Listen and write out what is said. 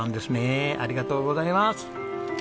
ありがとうございます！